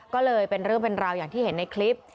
ก็เลยเป็นเรื่องเป็นราวอย่างที่เห็นในคลิป